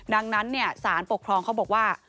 ดังนั้นสารปกครองเขาบอกว่า